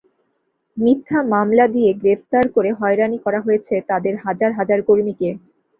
মিথ্যা মামলা দিয়ে, গ্রেপ্তার করে হয়রানি করা হয়েছে তাদের হাজার হাজার কর্মীকে।